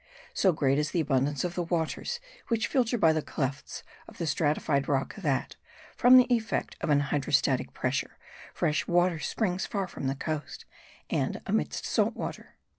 So great is the abundance of the waters which filter by the clefts of the stratified rock that, from the effect of an hydrostatic pressure, fresh water springs far from the coast, and amidst salt water.